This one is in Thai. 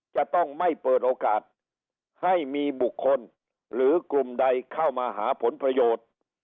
จะต้องไม่เปิดโอกาสให้มีบุคคลหรือกลุ่มใดเข้ามาหาผลประโยชน์